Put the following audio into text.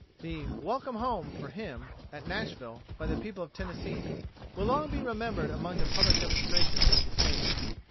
The "Welcome Home" for him, at Nashville, by the people of Tennessee, will long be remembered among the public demonstrations of the State.